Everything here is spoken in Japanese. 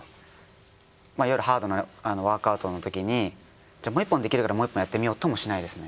いわゆるハードなワークアウトのときにもう１本できるからもう１本やってみようともしないですね。